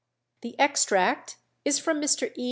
The extract is from Mr. E.